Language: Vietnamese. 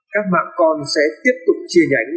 các mạng còn sẽ tiếp tục chia nhánh